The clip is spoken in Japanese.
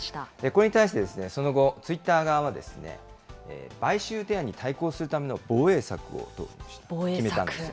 これに対してその後、ツイッター側は、買収提案に対抗するための防衛策を決めたんです。